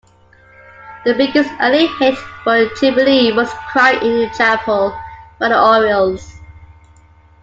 The biggest early hit for Jubilee was "Crying in the Chapel" by the Orioles.